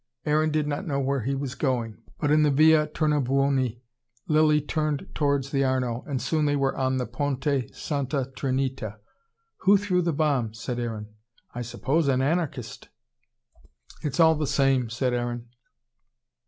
Aaron did not know where he was going. But in the Via Tournabuoni Lilly turned towards the Arno, and soon they were on the Ponte Santa Trinita. "Who threw the bomb?" said Aaron. "I suppose an anarchist." "It's all the same," said Aaron.